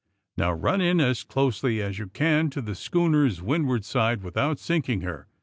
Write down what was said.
'^Now, run in as closely as you can to the schooner's windward side without sinking her.